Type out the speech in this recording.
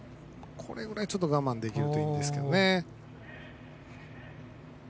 これぐらい我慢できるといいんですけどね。